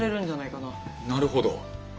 なるほど！